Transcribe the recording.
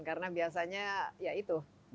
karena biasanya ya itu